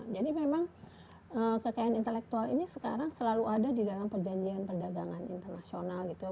jadi memang kekayaan intelektual ini sekarang selalu ada di dalam perjanjian perdagangan internasional gitu